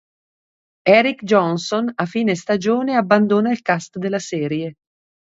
Eric Johnson a fine stagione abbandona il cast della serie.